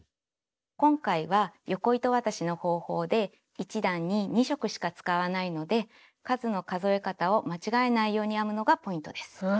今回は横糸渡しの方法で１段に２色しか使わないので数の数え方を間違えないように編むのがポイントです。